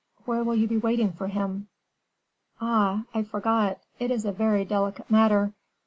Where will you be waiting for him?" "Ah! I forgot; it is a very delicate matter.